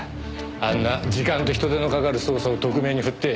あんな時間と人手のかかる捜査を特命に振って。